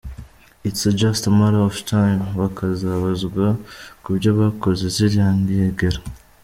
it s just a matter of time bakazabazwa kubyo bakoze ziriya ngegera.